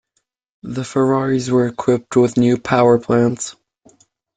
The Ferraris were equipped with new power plants.